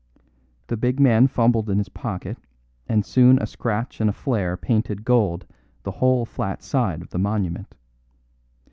The big man fumbled in his pocket, and soon a scratch and a flare painted gold the whole flat side of the monument.